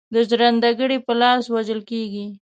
د ژرند ګړي په لاس وژل کیږي.